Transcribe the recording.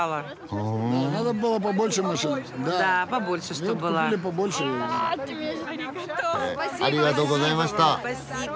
へえありがとうございました。